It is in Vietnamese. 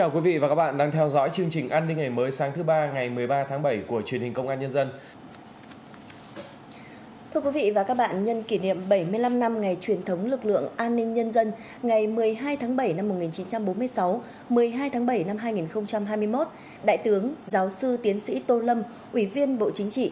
các bạn hãy đăng ký kênh để ủng hộ kênh của chúng mình nhé